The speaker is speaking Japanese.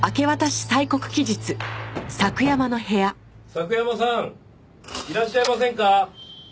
佐久山さんいらっしゃいませんか？